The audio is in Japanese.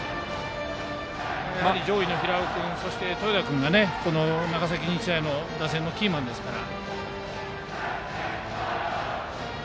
やはり上位の平尾君、豊田君が長崎日大の打線のキーマンですから。